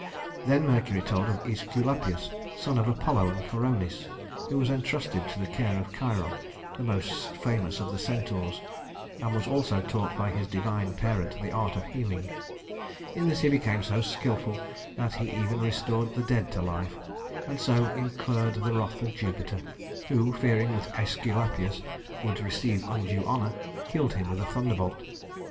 Then Mercury told of Æsculapius, son of Apollo and Coronis, who was entrusted to the care of Chiron, most famous of the Centaurs, and was also taught by his divine parent the art of healing. In this he became so skillful that he even restored the dead to life, and so incurred the wrath of Jupiter, who, fearing that Æsculapius would receive undue honor, killed him with a thunderbolt.